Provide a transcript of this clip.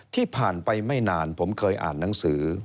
ที่ผ่านไปไม่นานผมเคยอ่านหนังสือ